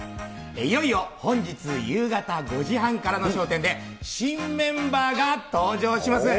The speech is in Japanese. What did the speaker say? いよいよ本日夕方５時半からの笑点で新メンバーが登場します。